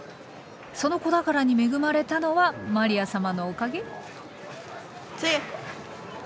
その子宝に恵まれたのはマリア様のおかげ？